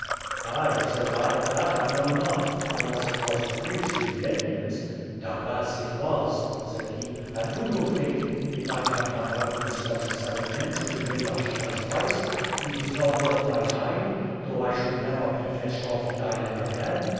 "ay," said I, "that I know not, unless it was to preach to the Indians." "Doubtless it was," said he; "and do you think, if I can convert these thirty seven men to the faith of Jesus Christ, it is not worth my time, though I should never be fetched off the island again?